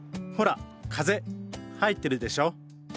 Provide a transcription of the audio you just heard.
ほら「風」入ってるでしょ？